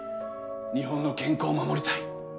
日本の健康を守りたい。